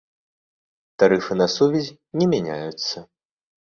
Тарыфы на сувязь не мяняюцца.